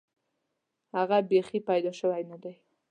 هغه بیخي پیدا شوی نه دی.